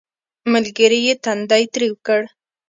ملګري یې تندی ترېو کړ